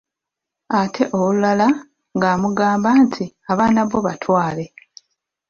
Ate olulala ng'amugamba nti:"abaana bo batwale"